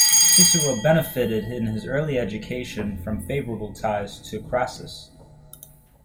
Cicero benefited in his early education from favorable ties to Crassus.